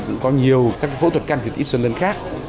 nhiều các phẫu thuật can thiệp yên sơn lân khác